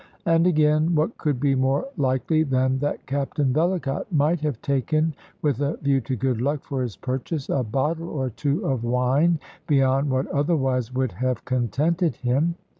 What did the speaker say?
And, again, what could be more likely than that Captain Vellacott might have taken, with a view to good luck for his purchase, a bottle or two of wine beyond what otherwise would have contented him?